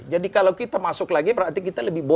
jadi kalau kita masuk lagi berarti kita lebih bolos